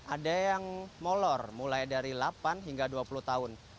ada yang molor mulai dari delapan hingga dua puluh tahun